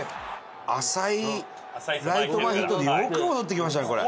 浅いライト前ヒットでよく戻ってきましたねこれ。